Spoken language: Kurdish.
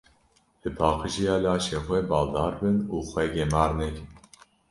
Li Paqijiya laşê xwe baldar bin û xwe gemar nekin.